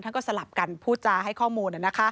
ท่านก็สลับกันพูดจาให้ข้อมูลนี่นะคะ